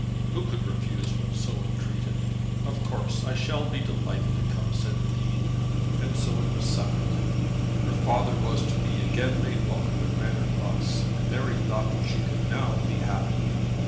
"Who could refuse when so entreated? Of course I shall be delighted to come," said the Dean. And so it was settled. Her father was to be again made welcome at Manor Cross, and Mary thought that she could now be happy.